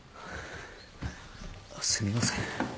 すみません。